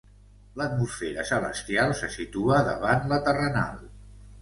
L'atmosfera celestial se situa davant la terrenal.